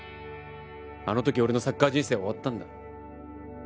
あの時俺のサッカー人生は終わったんだ。